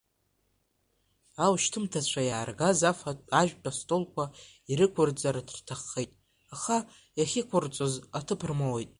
Аушьҭымҭацәа иааргаз афатә ажәтә астолқәа ирықәырҵар рҭаххеит, аха иахьықәырҵоз аҭыԥ рмоуит.